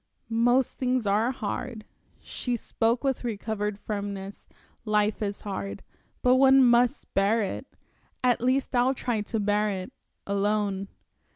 "Most things are hard." She spoke with recovered firmness. "Life is hard, but one must bear it. At least I'll try to bear it alone.